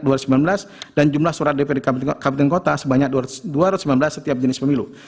dan jumlah surat dpr di kabupaten kota sebanyak dua ratus sembilan belas setiap jenis pemilu